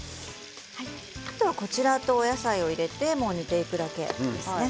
あとは、こちらとお野菜を入れてもう煮ていくだけですね。